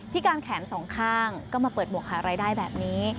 การแขนสองข้างก็มาเปิดหมวกหารายได้แบบนี้